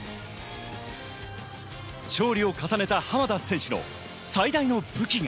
勝利を重ねた浜田選手の最大の武器が。